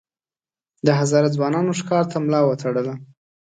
د هزاره ځوانانو ښکار ته ملا وتړله.